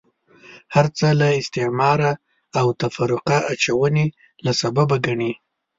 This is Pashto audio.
هرڅه له استعماره او تفرقه اچونې له سببه ګڼي.